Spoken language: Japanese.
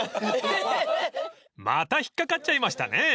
［また引っ掛かっちゃいましたね］